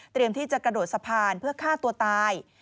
ที่จะกระโดดสะพานเพื่อฆ่าตัวตาย